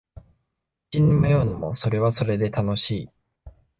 道に迷うのもそれはそれで楽しい